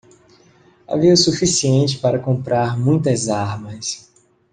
Havia o suficiente para comprar muitas armas.